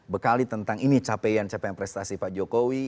bekali tentang ini capaian capaian prestasi pak jokowi